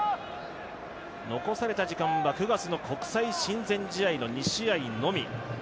残された時間は９月の国際親善試合の２試合のみ。